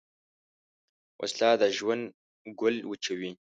وسله د ژوند ګل وچوي